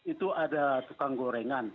itu ada tukang gorengan